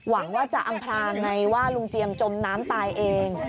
หวังว่าจะอำพรางไงว่าลุงเจียมจมน้ำตายเอง